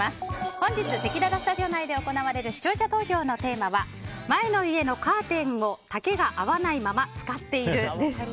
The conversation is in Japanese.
本日せきららスタジオ内で行われる視聴者投票のテーマは前の家のカーテンを丈が合わないまま使っているです。